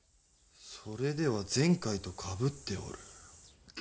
それでは前回とかぶっておる。